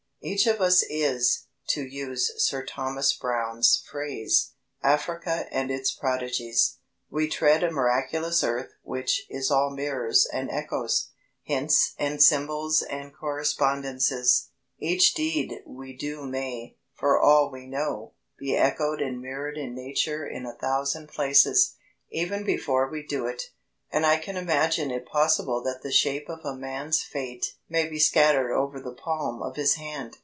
Each of us is, to use Sir Thomas Browne's phrase, Africa and its prodigies. We tread a miraculous earth which is all mirrors and echoes, hints and symbols and correspondences. Each deed we do may, for all we know, be echoed and mirrored in Nature in a thousand places, even before we do it, and I can imagine it possible that the shape of a man's fate may be scattered over the palm of his hand.